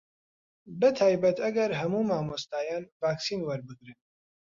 بەتایبەت ئەگەر هەموو مامۆستایان ڤاکسین وەربگرن